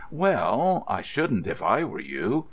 "Well, I shouldn't if I were you.